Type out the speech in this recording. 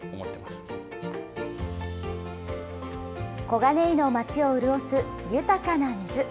小金井の町を潤す豊かな水。